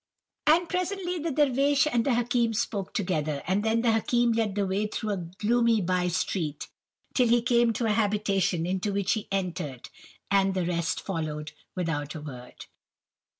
"And presently the Dervish and the Hakim spoke together, and then the Hakim led the way through a gloomy by street, till he came to a habitation into which he entered, and the rest followed without a word.